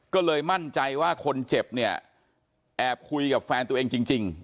ก็เลยมั่นใจว่าคนเจ็บเนี่ยแอบคุยกับแฟนตัวเองจริง